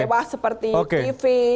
mewah seperti tv